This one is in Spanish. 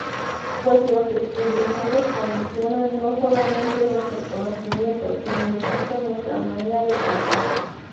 Pues los descubrimientos condicionan no solamente nuestros conocimientos, sino incluso nuestra manera de pensar.